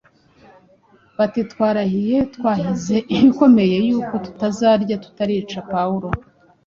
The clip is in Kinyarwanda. bati: “Twarahiye, twahize ibikomeye, yuko tutazarya tutarica Pawulo.